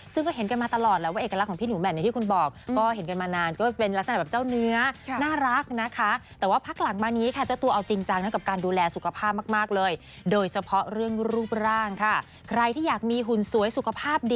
ซึ่งก็เห็นกันมาตลอดแล้วว่าเอกลักษณ์ของพี่หนูแหม่มที่คุณบอก